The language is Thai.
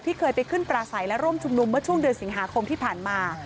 เคยไปขึ้นปราศัยและร่วมชุมนุมเมื่อช่วงเดือนสิงหาคมที่ผ่านมา